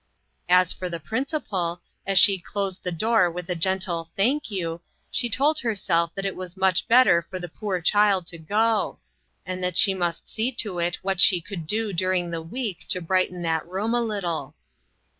As for the principal, as she closed the door with a gentle " Thank you," she told herself that it was much better for the poor child to go ; and that she must see to it what she could do during the week to brighten that room a little.